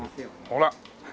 ほら！